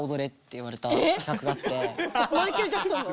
マイケル・ジャクソンの？